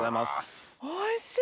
おいしい！